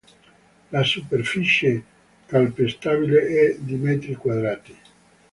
La superficie calpestabile è di metri quadrati.